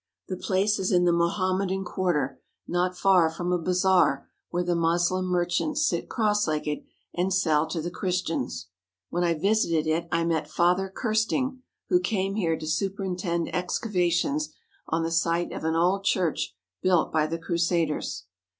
The place is in the Mohammedan quarter, not far from a bazaar where the Moslem merchants sit cross legged and sell to the Christians. When I visited it I met Father Kersting, who came here to superintend excavations on the site of an old church built by the Crusaders.